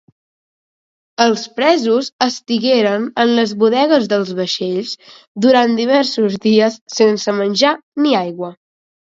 Els presos estigueren en les bodegues dels vaixells durant diversos dies sense menjar ni aigua.